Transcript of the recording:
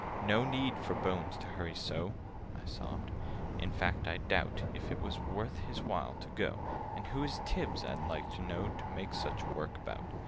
"No need for Bones to hurry so!" I sobbed. "In fact, I doubt If it was worth his while to go— And who is Tibbs, I'd like to know, To make such work about?